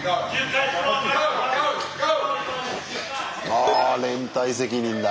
あ連帯責任だ。